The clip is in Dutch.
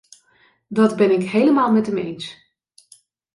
Dat ben ik helemaal met hem eens.